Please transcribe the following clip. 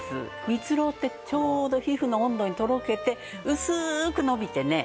ミツロウってちょうど皮膚の温度にとろけて薄く伸びてね